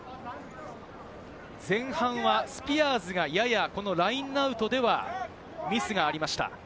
前半はスピアーズがややこのラインアウトではミスがありました。